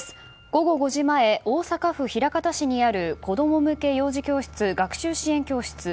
午後５時前、大阪府枚方市にある子供向け幼児教室学習支援教室